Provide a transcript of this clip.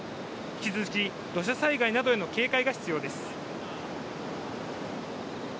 引き続き土砂災害などへの警戒が必要です。